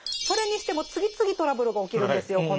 それにしても次々トラブルが起きるんですよ